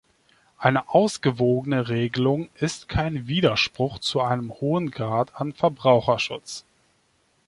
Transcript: Eine ausgewogene Regelung ist kein Widerspruch zu einem hohen Grad an Verbraucherschutz.